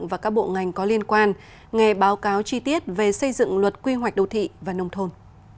và các bộ ngành có liên quan nghe báo cáo chi tiết về xây dựng luật quy hoạch đô thị và nông thôn